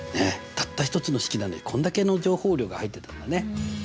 たった一つの式なのにこんだけの情報量が入ってたんだね。